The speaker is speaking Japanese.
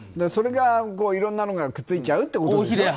それが、いろんなのがくっついちゃうってことでしょ。